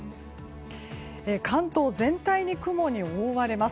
関東全体に雲に覆われます。